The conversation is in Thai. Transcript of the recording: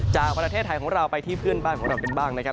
จากประเทศไทยของเราไปที่เพื่อนบ้านของเรากันบ้างนะครับ